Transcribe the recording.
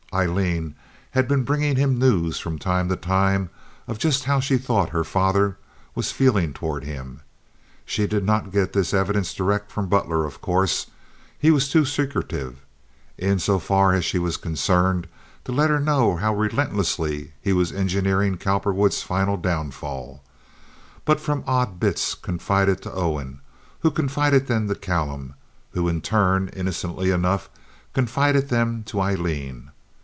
Aileen had been bringing him news, from time to time, of just how she thought her father was feeling toward him. She did not get this evidence direct from Butler, of course—he was too secretive, in so far as she was concerned, to let her know how relentlessly he was engineering Cowperwood's final downfall—but from odd bits confided to Owen, who confided them to Callum, who in turn, innocently enough, confided them to Aileen.